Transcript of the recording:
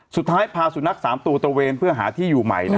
สุดท้ายพาสุนัข๓ตัวตระเวนเพื่อหาที่อยู่ใหม่